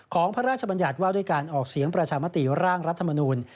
พระราชบัญญัติว่าด้วยการออกเสียงประชามติร่างรัฐมนูล